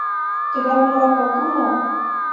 Тыгак мурат огыл мо?